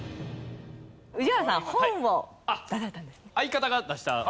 宇治原さん本を出されたんですね？